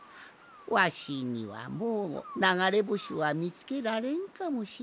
わしにはもうながれぼしはみつけられんかもしれんのう。